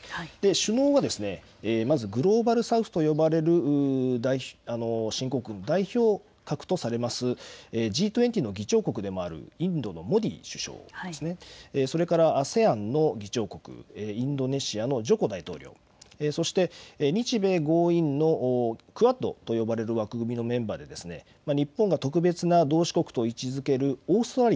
首脳はまずグローバル・サウスと呼ばれる新興国の代表格とされますＧ２０の議長国でもあるインドのモディ首相、それからＡＳＥＡＮの議長国、インドネシアのジョコ大統領、そして日米豪印のクアッドと呼ばれる枠組みのメンバーで日本が特別な同志国と位置づける